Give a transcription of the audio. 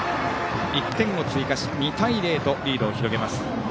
１点を追加し２対０とリードを広げます。